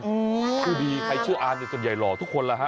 ชื่อดีใครชื่ออาร์มเนี่ยส่วนใหญ่หล่อทุกคนแล้วฮะ